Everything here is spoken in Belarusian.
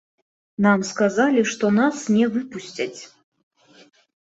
Нам сказалі, што нас не выпусцяць.